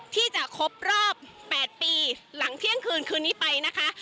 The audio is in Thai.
ที่จะครบรอบ๘ปีหลังเที่ยงคืนคืนนี้ไปนะคะ